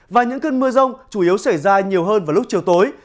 và những cơn mưa rông chủ yếu xảy ra nhiều hơn vào lúc chiều tối